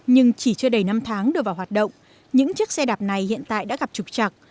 nhưng chỉ chưa đầy năm tháng đưa vào hoạt động những chiếc xe đạp này hiện tại đã gặp trục chặt